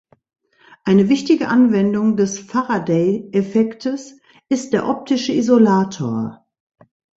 Eine wichtige Anwendung des Faraday-Effektes ist der optische Isolator.